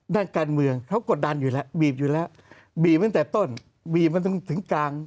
ด้านการเมืองเขากดดันอยู่แล้วบีบอยู่แล้วบีบตั้งแต่ต้นบีบมาจนถึงกลาง